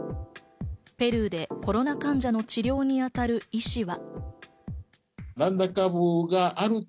ペルーでコロナ患者の治療に当たる医師は。